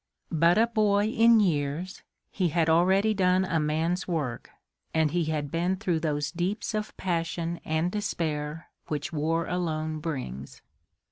But a boy in years, he had already done a man's work, and he had been through those deeps of passion and despair which war alone brings.